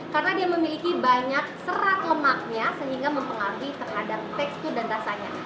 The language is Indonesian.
karena dia memiliki banyak serat lemaknya sehingga mempengaruhi terhadap tekstur dan rasanya